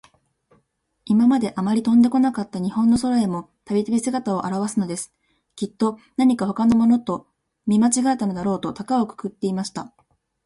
いままで、あまり飛んでこなかった日本の空へも、たびたび、すがたをあらわすのです。きっと、なにかほかのものと、見まちがえたのだろうと、たかをくくっていました。